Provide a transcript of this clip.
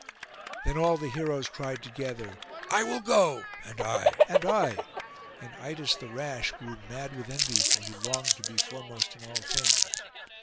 Then all the heroes cried together, 'I will go!' 'and I!' 'and I!' And Idas the rash grew mad with envy; for he longed to be foremost in all things.